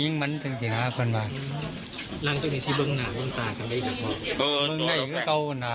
ฟังใหนอีกปีกลเร็วมาก